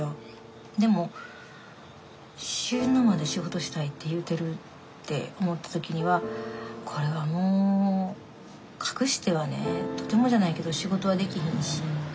でも「死ぬまで仕事したい」って言うてるって思った時にはこれはもう隠してはねとてもじゃないけど仕事はできひんし。